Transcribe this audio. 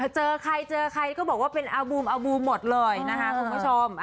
เจอใครเจอใครก็บอกว่าเป็นอาบูมอาบูมหมดเลยนะคะคุณผู้ชม